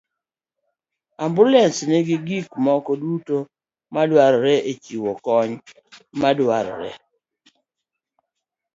ambulans nigi gik moko duto madwarore e chiwo kony madwarore.